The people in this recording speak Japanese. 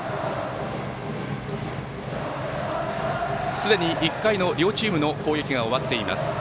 すでに１回の両チームの攻撃が終わっています。